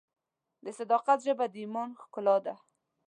د صداقت ژبه د ایمان ښکلا ده.